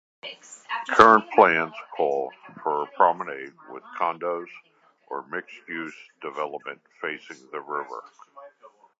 Current plans call for a promenade with condos or mixed-use development facing the river.